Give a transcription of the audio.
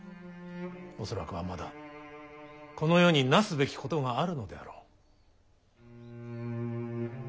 恐らくはまだこの世になすべきことがあるのであろう。